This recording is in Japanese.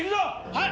はい！